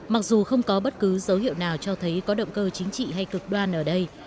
mặc dù không có bất cứ dấu hiệu nào cho thấy có động cơ chính trị hay cực đoan ở đây